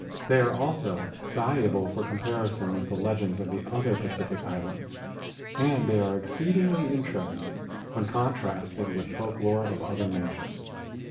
They are also valuable for comparison with the legends of the other Pacific islands, and they are exceedingly interesting when contrasted with the folk lore of other nations.